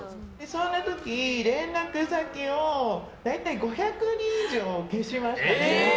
その時、連絡先を大体５００人以上消しました。